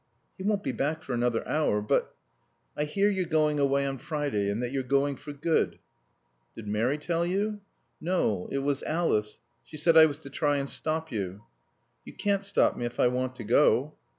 "He won't be back for another hour. But " "I hear you're going away on Friday; and that you're going for good." "Did Mary tell you?" "No. It was Alice. She said I was to try and stop you." "You can't stop me if I want to go."